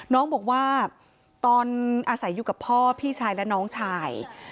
น้องบอกว่าตอนอาศัยอยู่กับพ่อพี่ชายและน้องชาย